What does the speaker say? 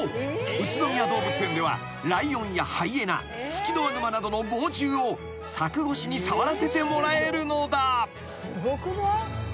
宇都宮動物園ではライオンやハイエナツキノワグマなどの猛獣を柵越しに触らせてもらえるのだ］